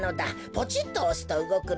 ポチッとおすとうごくのだ。